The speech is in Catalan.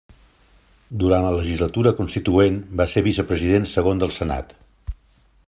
Durant la legislatura constituent va ser vicepresident segon del Senat.